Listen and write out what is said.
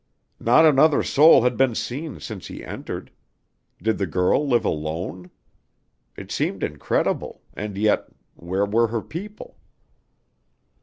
Not another soul had been seen since he entered. Did the girl live alone? It seemed incredible; and yet where were her people?